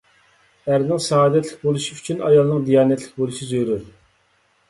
ئەرنىڭ سائادەتلىك بولۇشى ئۈچۈن ئايالنىڭ دىيانەتلىك بولۇشى زۆرۈر.